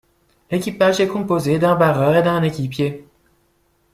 L'équipage est composé d'un barreur et d'un équipier.